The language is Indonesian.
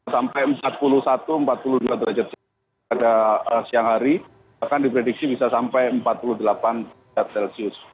sampai empat puluh satu empat puluh dua derajat celcius pada siang hari bahkan diprediksi bisa sampai empat puluh delapan derajat celcius